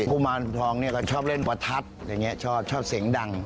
คุมวานทองก็ชอบเล่นประทัดชอบเสียงดัง